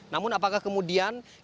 namun apakah kemudian